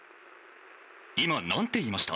今なんて言いました？」。